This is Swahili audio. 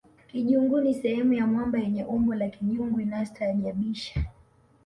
kijungu ni sehemu ya mwamba yenye umbo la kijungu inayostaajabisha